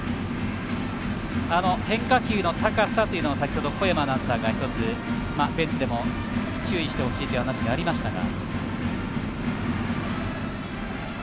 変化球の高さというのを先ほど小山アナウンサーが一つ、ベンチでも注意してほしいという話がありましたが。